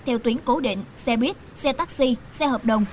theo tuyến cố định xe buýt xe taxi xe hợp đồng